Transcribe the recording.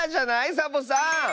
サボさん。